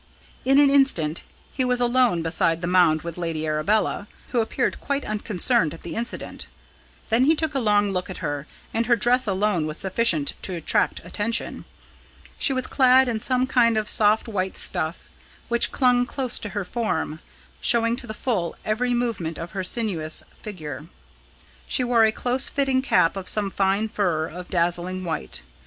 In an instant he was alone beside the mound with Lady Arabella, who appeared quite unconcerned at the incident. Then he took a long look at her, and her dress alone was sufficient to attract attention. She was clad in some kind of soft white stuff, which clung close to her form, showing to the full every movement of her sinuous figure. She wore a close fitting cap of some fine fur of dazzling white.